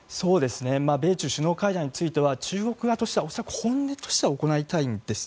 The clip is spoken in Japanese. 米中首脳会談に関しては中国側としては恐らく本音としては行いたいんです。